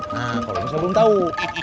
nah kalau saya belum tahu